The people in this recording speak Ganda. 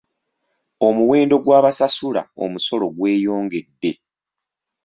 Omuwendo gw'abasasula omusolo gweyongedde.